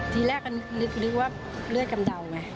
ทีแรกคุณคิดว่าเลือดกำเดาไง